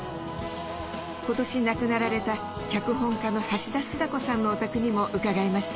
今年亡くなられた脚本家の橋田壽賀子さんのお宅にも伺いました。